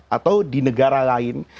atau di negara lain